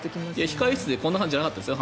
控室ではこんな感じじゃなかったですよ。